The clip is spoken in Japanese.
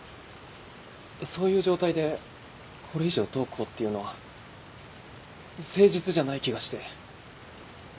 そういう状態でこれ以上どうこうっていうのは誠実じゃない気がして。